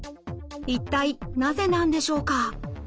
一体なぜなんでしょうか？